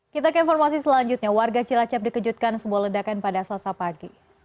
kita ke informasi selanjutnya warga cilacap dikejutkan sebuah ledakan pada selasa pagi